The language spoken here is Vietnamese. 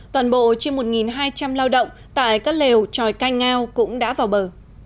toàn bộ trên một hai trăm linh lao động tại các lều tròi canh ngao cũng đã vào bờ